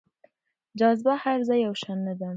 جاذبه هر ځای يو شان نه ده.